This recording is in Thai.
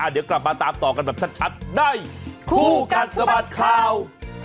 เดี๋ยวกลับมาตามต่อกันแบบชัดในคู่กัดสะบัดข่าว